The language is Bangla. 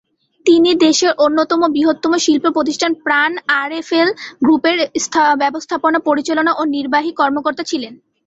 তিনি দেশের অন্যতম বৃহত্তম শিল্প প্রতিষ্ঠান প্রাণ-আরএফএল গ্রুপের ব্যবস্থাপনা পরিচালক ও প্রধান নির্বাহী কর্মকর্তা ছিলেন।